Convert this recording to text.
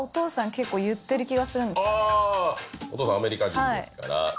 あぁお父さんアメリカ人ですから。